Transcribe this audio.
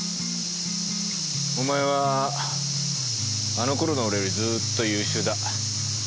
お前はあの頃の俺よりずーっと優秀だ。